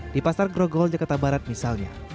di pasar grogol jakarta barat misalnya